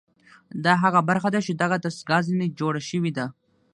دا هغه برخه ده چې دغه دستګاه ځنې جوړه شوې ده